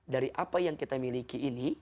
dari apa yang kita miliki ini